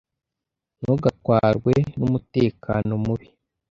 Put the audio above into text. Ntugatwarwe numutekano mubi.